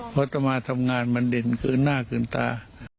เพราะต่อมาทำงานมันเด่นคืนหน้าคืนตา